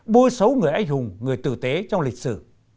bôi xấu người anh hùng người tử tế trong lịch sử